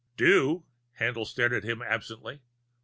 "Do?" Haendl stared at him absently.